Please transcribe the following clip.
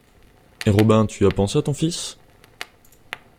Et Robin, tu y as pensé à ton fils?